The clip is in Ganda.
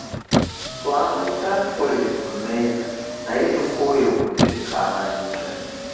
Twamuyise atukolere ku mmeeza naye tukooye okuzizizika amayinja.